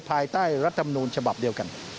ภายใต้รัฐมนูลฉบับเดียวกัน